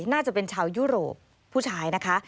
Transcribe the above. น่าจะเป็นชาวยุโรปผู้ชายนะคะ